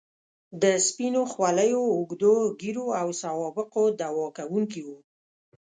د سپینو خولیو، اوږدو ږیرو او سوابقو دعوه کوونکي وو.